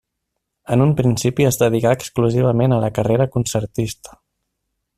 En un principi es dedicà exclusivament a la carrera concertista.